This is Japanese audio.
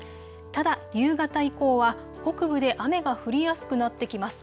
ただ夕方以降は北部で雨が降りやすくなってきます。